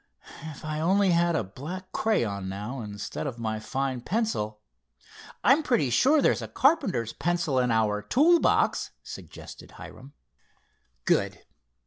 "If I only had a black crayon now, instead of my fine pencil——" "I'm pretty sure there's a carpenter's pencil in our tool box," suggested Hiram. "Good!